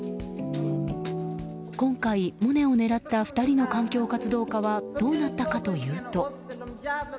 今回、モネを狙った２人の環境活動家はどうなったかというと。